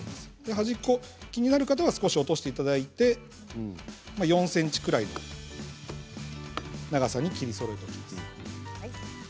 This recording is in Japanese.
端っこ、気になる方は少し落としていただいて４ｃｍぐらいの長さに切りそろえます。